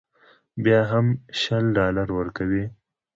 بیا به هم شل ډالره ورکوې.